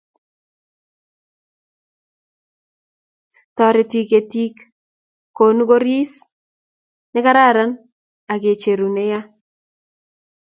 toretuu ketik kokonuu koris nekararan akucheru ne ya